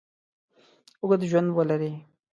اوږد ژوند ولري.